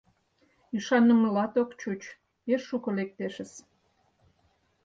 Ӱшанымылат ок чуч, пеш шуко лектешыс.